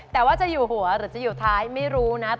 แต่ว่าจะอยู่หัวหรือจะอยู่ท้ายไม่รู้นะ